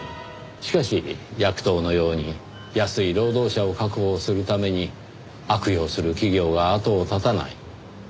しかしヤクトーのように安い労働者を確保するために悪用する企業が後を絶たない。